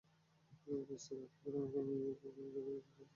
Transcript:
রেস্তোরাঁর আটক আরেক কর্মী জাকির হোসেন ওরফে শাওন পরে হাসপাতালে মারা যান।